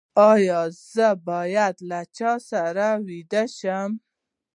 ایا زه باید له چا سره ویده شم؟